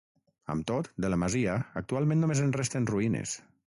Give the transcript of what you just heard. Amb tot, de la masia actualment només en resten ruïnes.